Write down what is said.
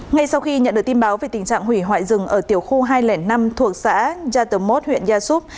ngay sau khi nhận được tin báo về tình trạng hủy hoại rừng ở tiểu khu hai trăm linh năm thuộc xã gia tờ mốt huyện gia súc